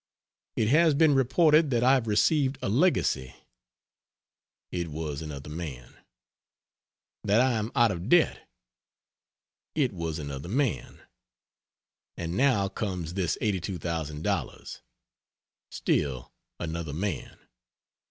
It has been reported that I have received a legacy it was another man; that I am out of debt it was another man; and now comes this $82,000 still another man.